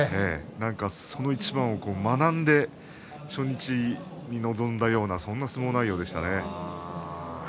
その一番を学んで初日に臨んだようなそんな相撲内容でしたね。